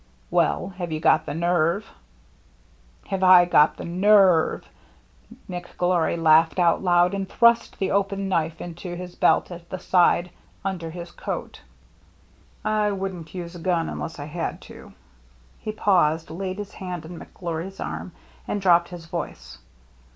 " Well — have you got the nerve ?"" Have I got the nerve !" McGlory laughed out loud, and thrust the open knife into his belt, at the side, under his coat. ^'I wouldn't use a gun unless I had to." He paused, laid his hand on McGlory *s arm, and dropped his voice.